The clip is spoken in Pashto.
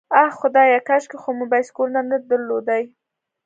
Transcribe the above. آه خدایه، کاشکې خو مو بایسکلونه درلودای.